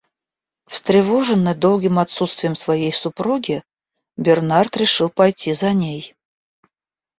Встревоженный долгим отсутствием своей супруги, Бернард решил пойти за ней.